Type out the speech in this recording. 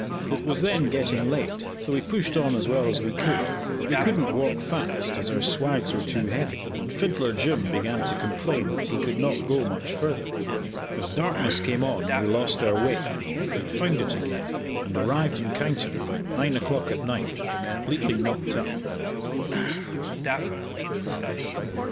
It was then getting late, so we pushed on as well as we could, but we couldn't walk fast, as our swags were too heavy, and Fiddler Jim began to complain that he could not go much further. As darkness came on we lost our way, but found it again and arrived in Kyneton about 9 o'clock at night, completely knocked up.